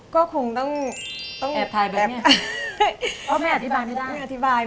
ก็คงต้องแอบถ่ายแบบเนี่ย